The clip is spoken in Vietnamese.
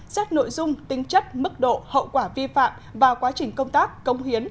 xét nội dung tính chất mức độ hậu quả vi phạm và quá trình công tác công hiến